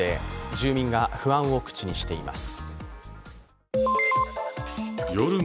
住民が不安を口にしています。